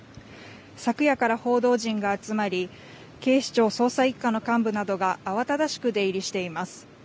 昨夜から報道陣が集まり、警視庁捜査１課の幹部などが慌ただしく出入りしています。